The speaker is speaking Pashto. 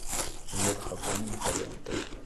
زړه د خفګانونو فریاد دی.